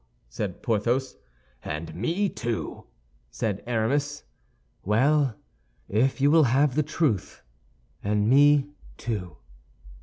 said Porthos. "And me, too!" said Aramis. "Well, if you will have the truth, and me, too!"